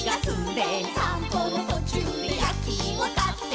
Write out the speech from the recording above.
「さんぽのとちゅうでやきいもかって」